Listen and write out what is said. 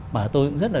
mà tôi cũng rất là